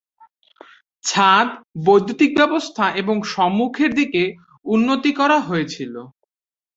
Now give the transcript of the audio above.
ছাদ, বৈদ্যুতিক ব্যবস্থা এবং সম্মুখের দিকে উন্নতি করা হয়েছিল।